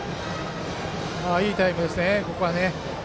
いいタイムですね、ここは。